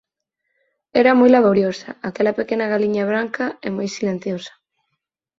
Era moi laboriosa, aquela pequena galiña branca, e moi silenciosa…